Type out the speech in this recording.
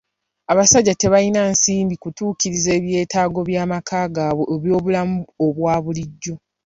Abasajja tebalina nsimbi kutuukiriza eby'etaago by'amaka gaabwe eby'obulamu obwa bulijjo.